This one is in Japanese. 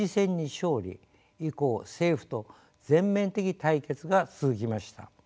以降政府と全面的対決が続きました。